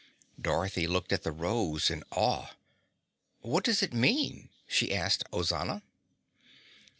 Dorothy looked at the rose in awe. "What does it mean?" she asked Ozana.